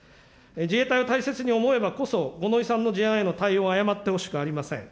自衛隊を大切に思えばこそ、五ノ井さんの事案への対応を誤ってほしくありません。